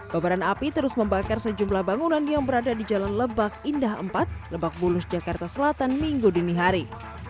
kebakaran api terus membakar sejumlah bangunan yang berada di jalan lebak indah empat lebak bulus jakarta selatan minggu dini hari